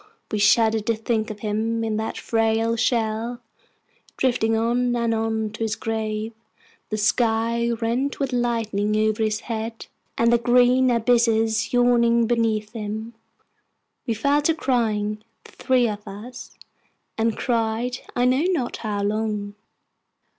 We shuddered to think of him in that frail shell, drifting on and on to his grave, the sky rent with lightning over his head, and the green abysses yawning beneath him. We fell to crying, the three of us, and cried I know not how long.